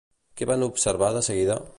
Què van observar de seguida?